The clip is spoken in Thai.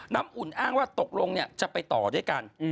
น้ำอุ่นอ้างว่าตกลงจะไปต่อด้วยกัน